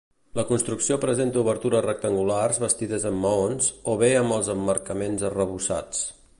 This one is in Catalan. La construcció presenta obertures rectangulars bastides en maons o bé amb els emmarcaments arrebossats.